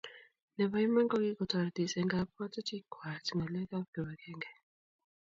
nebo iman kokikortotis eng kabwotutikwach ng'alekab kibagenge